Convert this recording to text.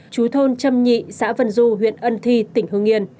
chú thôn trâm nhị xã vân du huyện ân thi tỉnh hương yên